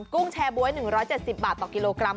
กุ้งแชร์บ๊วย๑๗๐บาทต่อกิโลกรัม